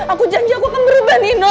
aku janji aku akan berubah nino